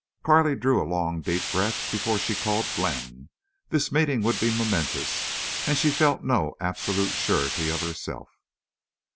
Carley drew a long deep breath before she called Glenn. This meeting would be momentous and she felt no absolute surety of herself.